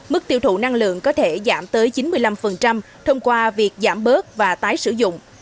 mức tiêu thụ năng lượng có thể giảm tới chín mươi năm thông qua việc giảm bớt và tái sử dụng